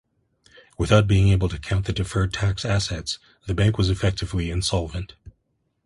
Without being able to count the deferred tax assets, the bank was effectively insolvent.